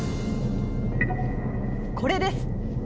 これです！